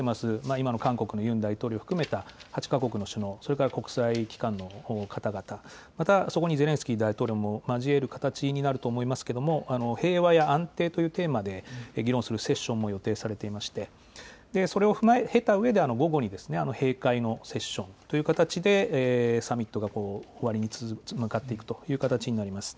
今の韓国、ユン大統領を含めた８か国の首脳、それから国際機関の方々、また、そこにゼレンスキー大統領も交える形になると思いますけれども、平和や安定というテーマで議論するセッションも予定されていまして、それを経たうえで、午後に閉会のセッションという形で、サミットが終わりに向かっていくという形になります。